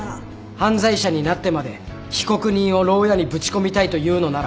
犯罪者になってまで被告人をろう屋にぶち込みたいというのなら。